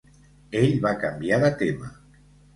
Ell va canviar de tema.